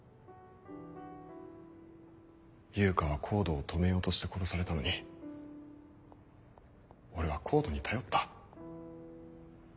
悠香はＣＯＤＥを止めようとして殺されたのに俺はＣＯＤＥに頼った。